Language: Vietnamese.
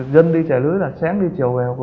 dân đi trải lưới là sáng đi chiều về